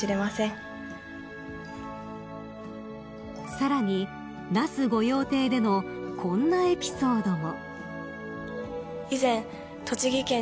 ［さらに那須御用邸でのこんなエピソードも］